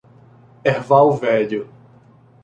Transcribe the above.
Erval Velho